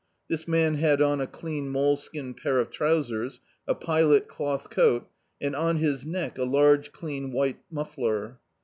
This man had on a clean moleskin pair of trousers, a pilot cloth coat, and on his neck a large clean white muffler.